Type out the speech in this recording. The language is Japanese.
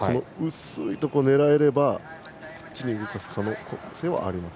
薄いところを狙えるとこっちに動かせる可能性はあります。